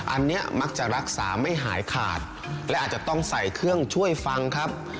อันนี้มักจะรักษาไม่หายขาดและอาจจะต้องใส่เครื่องช่วยฟังครับ